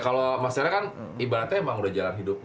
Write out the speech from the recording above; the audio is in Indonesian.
kalau masalahnya kan ibaratnya emang udah jalan hidupnya